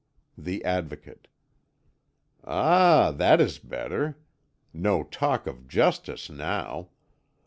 The Advocate: "Ah, that is better. No talk of justice now.